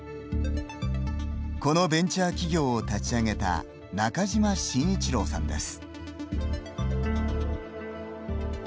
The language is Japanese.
このベンチャー企業を立ち上げた中島紳一郎さんです。